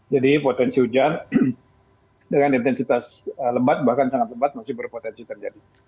jadi potensi hujan dengan intensitas lembat bahkan sangat lembat masih berpotensi terjadi